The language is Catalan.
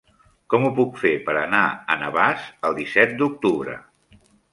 Com ho puc fer per anar a Navàs el disset d'octubre?